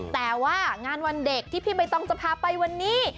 แต่ว่างานวันเด็กที่พี่ใบตองจะพาไปวันนี้